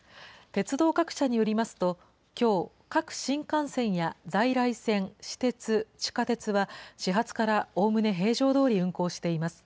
鉄道各社によりますと、きょう、各新幹線や在来線、私鉄、地下鉄は、始発からおおむね平常どおり運行しています。